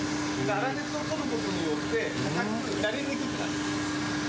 粗熱を取ることによって、硬くなりにくくなる。